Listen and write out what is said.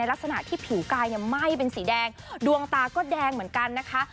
ลักษณะที่ผิวกายเนี่ยไหม้เป็นสีแดงดวงตาก็แดงเหมือนกันนะคะ